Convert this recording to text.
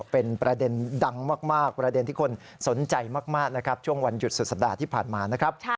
เป็นประเด็นดังมากประเด็นที่คนสนใจมากนะครับช่วงวันหยุดสุดสัปดาห์ที่ผ่านมานะครับ